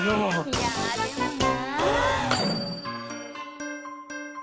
いやでもな。